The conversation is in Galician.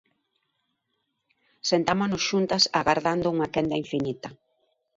Sentámonos xuntas agardando unha quenda infinita.